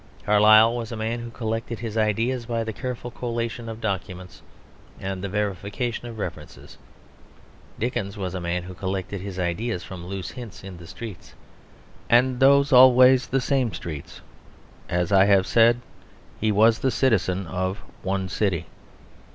Carlyle was a man who collected his ideas by the careful collation of documents and the verification of references. Dickens was a man who collected his ideas from loose hints in the streets, and those always the same streets; as I have said, he was the citizen of one city.